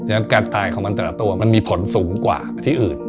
ฉะการตายของมันแต่ละตัวมันมีผลสูงกว่าที่อื่น